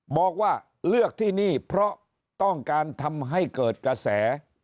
บอกว่าเลือกที่นี่เพราะต้องการทำให้เกิดกระแส